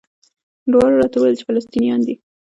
دواړو راته وویل چې فلسطینیان دي.